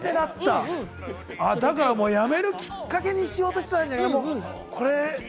だからやめるきっかけにしようとしていたんじゃない？